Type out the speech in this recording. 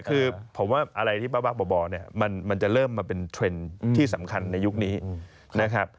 คือผมว่าอะไรที่บ้าบ่อเนี่ยมันจะเริ่มมาเป็นเทรนด์ที่สำคัญในยุคนี้นะครับ